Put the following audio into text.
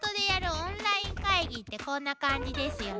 オンライン会議ってこんな感じですよね。